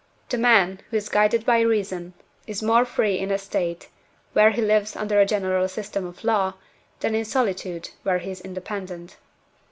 The man, who is guided by reason, is more free in a State, where he lives under a general system of law, than in solitude, where he is independent.